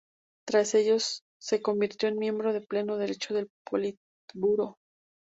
Tras ello se convirtió en miembro de pleno derecho del Politburó.